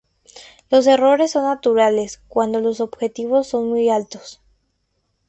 Los errores son naturales cuando los objetivos son muy altos.